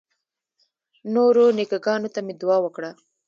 نورو نیکه ګانو ته مې دعا وکړه.